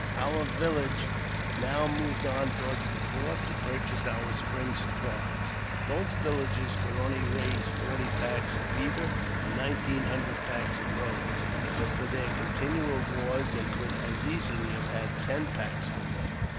Our village now moved on toward the fort to purchase our spring supplies. Both villages could only raise forty packs of beaver and nineteen hundred packs of robes ; but for their ;|| continual wars, they could as easily have had ten packs for one.